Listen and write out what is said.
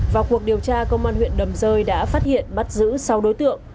vào cuộc điều tra công an huyện đầm rơi đã phát hiện bắt giữ sáu đối tượng